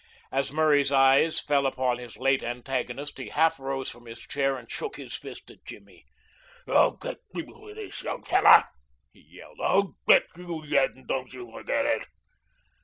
As Murray's eyes fell upon his late antagonist he half rose from his chair and shook his fist at Jimmy. "I'll get you for this, young feller!" he yelled. "I'll get you yet, and don't you forget it."